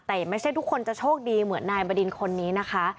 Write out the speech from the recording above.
แต่ไม่ใช่ทุกคนจะโชคดีเหมือนนายบดินคนนี้นะคะ